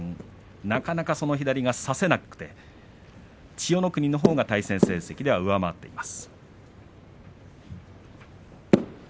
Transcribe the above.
なかなかその左が差せなくて千代の国のほうが対戦成績では上回っています。